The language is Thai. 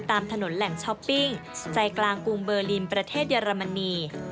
ตามถนนแหล่งช้อปปิ้งใจกลางกรุงเบอร์ลินประเทศเยอรมนี